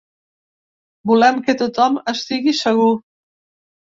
Volem que tothom estigui segur.